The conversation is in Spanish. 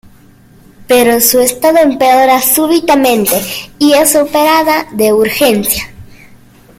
Pero su estado empeora súbitamente y es operada de urgencia.